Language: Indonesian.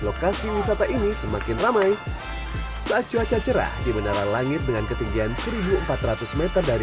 lokasi wisata ini semakin ramai saat cuaca cerah di menara langit dengan ketinggian seribu empat ratus m dari